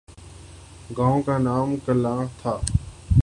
گاؤں کا نام کلاں تھا ۔